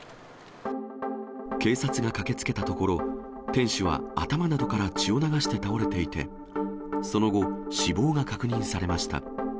警察が駆けつけたところ、店主は頭などから血を流して倒れていて、その後、死亡が確認されました。